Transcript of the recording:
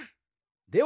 では